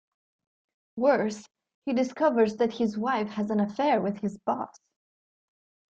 Worse, he discovers that his wife has an affair with his boss.